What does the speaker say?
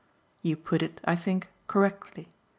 "You put it, I think, correctly.